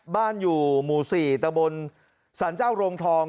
อยู่หมู่๔ตะบนสรรเจ้าโรงทอง